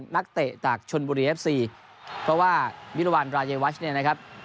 นักเตะจากชนบุรีเอฟซีเพราะว่าวิรวรรณรายวัชเนี่ยนะครับ